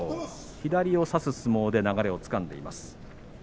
左を差す相撲で流れをつかんでいます。